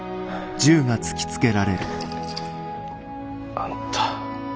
あんた。